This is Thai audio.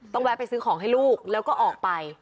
แวะไปซื้อของให้ลูกแล้วก็ออกไป